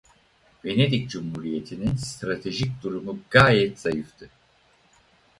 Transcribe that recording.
Venedik Cumhuriyeti'nin stratejik durumu gayet zayıftı.